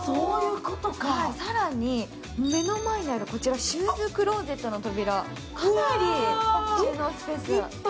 更に、目の前にあるシューズクローゼットの扉かなり収納スペースが。